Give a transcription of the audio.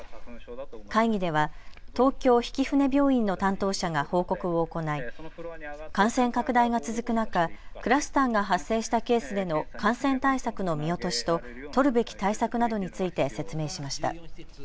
会議では東京曳舟病院の担当者が報告を行い感染拡大が続く中、クラスターが発生したケースでの感染対策の見落としと取るべき対策などについて説明しました。